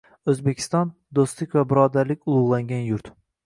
O‘zbekiston – do‘stlik va birodarlik ulug‘langan yurt